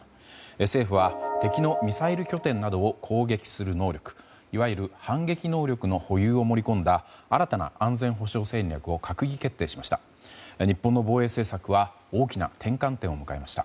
政府は敵のミサイル拠点などを攻撃する能力いわゆる反撃能力の保有を盛り込んだ新たな安全保障戦略を閣議決定しました。